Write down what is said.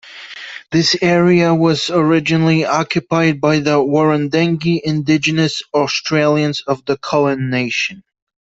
This area was originally occupied by the Wurundjeri Indigenous Australians of the Kulin nation.